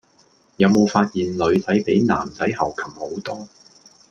有冇發現女仔比男仔猴擒好多